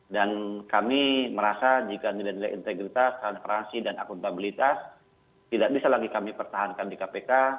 dan kami merasa jika nilai nilai integritas transparansi dan akuntabilitas tidak bisa lagi kami pertahankan di kpk